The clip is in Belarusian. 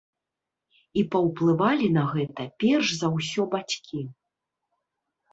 І паўплывалі на гэта, перш за ўсё, бацькі.